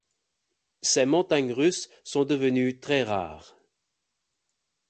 Ces montagnes russes sont devenues très rares.